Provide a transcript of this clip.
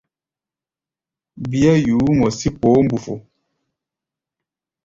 Bíá yuú mɔ sí poó mbufu.